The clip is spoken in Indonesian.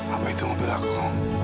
apa itu mobil aku